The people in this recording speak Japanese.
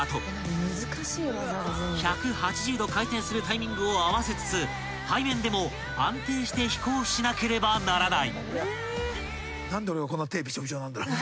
［１８０度回転するタイミングを合わせつつ背面でも安定して飛行しなければならない］